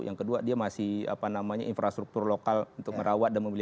yang kedua dia masih infrastruktur lokal untuk merawat dan memperbaiki